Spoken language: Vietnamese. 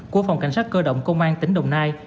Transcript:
của phòng cảnh sát cơ động công an tỉnh đồng nai